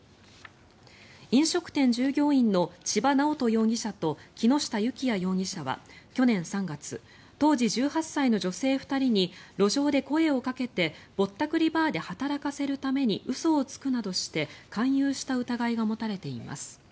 飲食店従業員の千葉南音容疑者と木下幸也容疑者は去年３月当時１８歳の女性２人に路上で声をかけてぼったくりバーで働かせるために嘘をつくなどして勧誘した疑いが持たれています。